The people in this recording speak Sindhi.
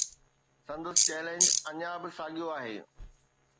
سندس چيلنج اڃا به ساڳيو آهي.